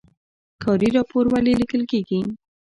کاري راپور ولې لیکل کیږي؟